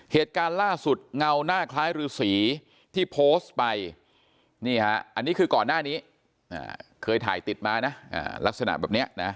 เหตุการณ์ล่าสุดเงาหน้าคล้ายรือสีที่โพสต์ไปนี่ฮะอันนี้คือก่อนหน้านี้เคยถ่ายติดมานะลักษณะแบบนี้นะ